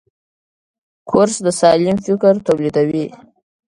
کورس د سالم فکر تولیدوي.